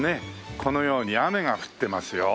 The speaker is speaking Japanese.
このように雨が降ってますよ。